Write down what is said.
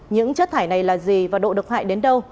những chất thải này là gì và độ độc hại đến đâu